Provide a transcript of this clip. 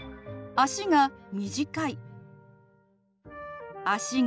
「足が短い」。